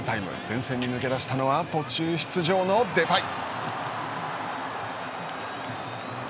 前線に抜け出したのは途中出場のデパイ。